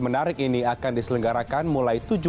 menarik ini akan diselenggarakan mulai